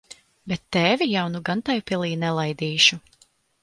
Bet tevi jau nu gan tai pilī nelaidīšu.